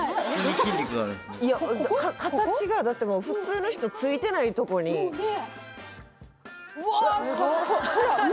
形がだってもう普通の人ついてないとこにうわほら胸